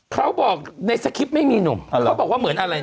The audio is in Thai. เขาบอกในสคริปต์ไม่มีหนุ่มเขาบอกว่าเหมือนอะไรนะ